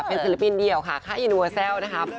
เป็นศิลปินเดียวค่ะค่ะอินเวอร์เซลต์นะคะ